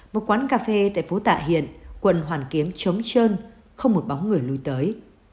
một quán cà phê tại phố tạ hiện quần hoàn kiếm chống chơn không một bóng người lùi tới